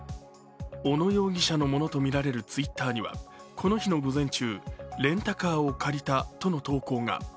小野容疑者のものとみられるＴｗｉｔｔｅｒには、この日の午前中、レンタカーを借りたとの投稿が。